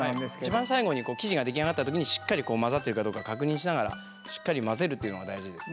一番最後に生地が出来上がった時にしっかり混ざってるかどうか確認しながらしっかり混ぜるっていうのが大事ですね。